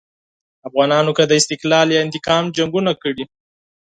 افغانانو که د استقلال یا انتقام جنګونه کړي.